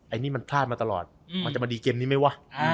อันนี้มันพลาดมาตลอดมันจะมาดีเกมนี้ไหมวะ